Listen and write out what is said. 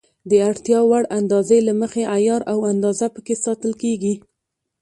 د اړتیا وړ اندازې له مخې عیار او اندازه پکې ساتل کېږي.